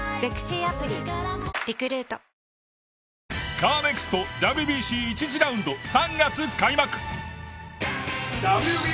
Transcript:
カーネクストＷＢＣ１次ラウンド３月開幕。